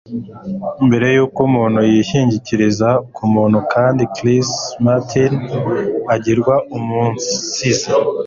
Mbere yuko umuntu yishingikiriza kumuntu kandi Chris Martin agirwa umusizi.